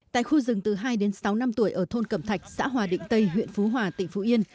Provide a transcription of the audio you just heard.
tại khu rừng từ hai đến sáu năm tuổi ở thôn cẩm thạch xã hòa định tây huyện phú hòa tỉnh phú yên